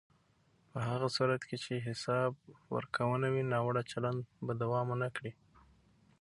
په هغه صورت کې چې حساب ورکونه وي، ناوړه چلند به دوام ونه کړي.